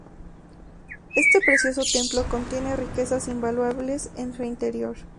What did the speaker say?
Este precioso templo contiene riquezas invaluables en su interior.